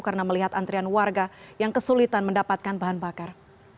karena melihat antrian warga yang kesulitan mendapatkan bahan bakar